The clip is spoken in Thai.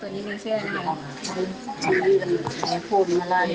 แขนนั้นตัวนี้เป็นเชื้อนุ่น